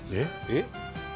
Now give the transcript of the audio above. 「えっ？」